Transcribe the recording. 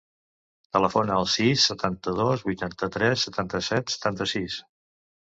Telefona al sis, setanta-dos, vuitanta-tres, setanta-set, setanta-sis.